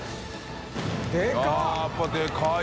でかい。